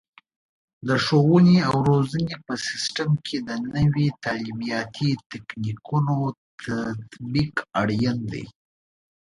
د ښوونې او روزنې په سیستم کې د نوي تعلیماتي تکتیکونو تطبیق اړین دی.